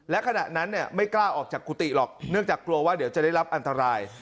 และขณะนั้นไม่กล้าออกจากกุฏิหรอกเนื่องจากกลัวว่าเดี๋ยวจะได้รับอันตราย